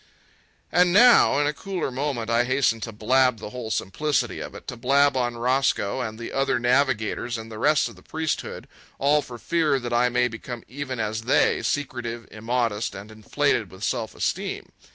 And now, in a cooler moment, I hasten to blab the whole simplicity of it, to blab on Roscoe and the other navigators and the rest of the priesthood, all for fear that I may become even as they, secretive, immodest, and inflated with self esteem.